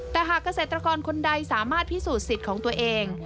แต่หากเกษตรกรคนใดสามารถพิสูจน์สิทธิ์ของตัวเอง